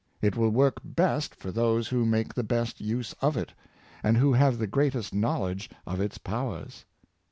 It will work best for those who make the best use of it, and who have the greatest knowledge of its powers.